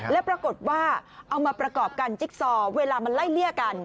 แล้วปรากฏว่าเอามาประกอบกันจิ๊กซอเวลามันไล่เลี่ยกัน